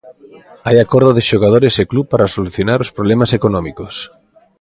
Hai acordo de xogadores e club para solucionar os problemas económicos.